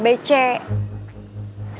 iya tapi mama nih dulu